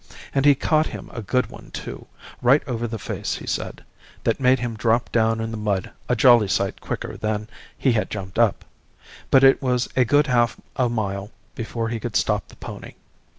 And he caught him a good one too, right over the face, he said, that made him drop down in the mud a jolly sight quicker than he had jumped up; but it was a good half a mile before he could stop the pony.